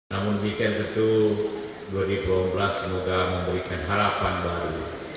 namun weekend tentu dua ribu delapan belas semoga memberikan harapan baru